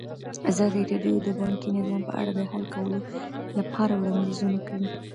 ازادي راډیو د بانکي نظام په اړه د حل کولو لپاره وړاندیزونه کړي.